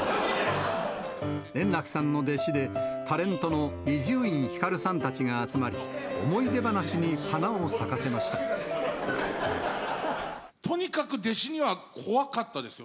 円楽さんの弟子で、タレントの伊集院光さんたちが集まり、思い出とにかく弟子には怖かったですよ。